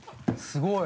すごい。